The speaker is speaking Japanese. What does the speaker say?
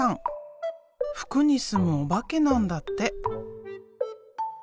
服に住むおばけなんだって。